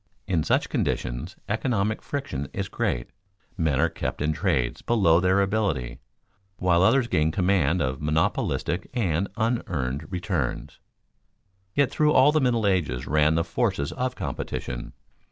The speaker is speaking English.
In such conditions economic friction is great. Men are kept in trades below their ability, while others gain command of monopolistic and unearned returns. Yet through all the Middle Ages ran the forces of competition.